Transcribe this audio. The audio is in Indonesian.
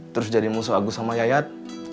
terus jadi musuh agus sama yayat